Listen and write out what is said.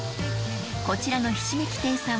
こちらのひしめき亭さん